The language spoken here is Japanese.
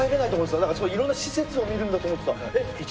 いろんな施設を見るんだと思ってた。